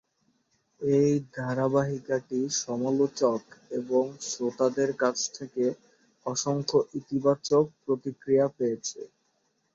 এই ধারাবাহিকটি সমালোচক এবং শ্রোতাদের কাছ থেকে অসংখ্য ইতিবাচক প্রতিক্রিয়া পেয়েছে।